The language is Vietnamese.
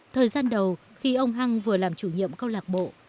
thời gian đầu khi ông hăng vừa làm chủ nhiệm câu lạc bộ